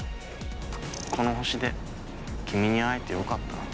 この星で君に会えてよかった。